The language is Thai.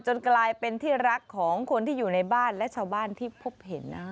กลายเป็นที่รักของคนที่อยู่ในบ้านและชาวบ้านที่พบเห็นนะ